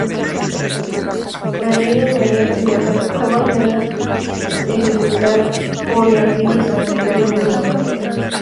La reina María I fue mandada ejecutar por la reina Isabel I de Inglaterra.